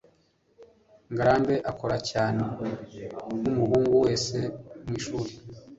ngarambe akora cyane nkumuhungu wese mwishuri